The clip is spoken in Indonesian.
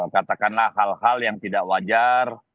katakanlah hal hal yang tidak wajar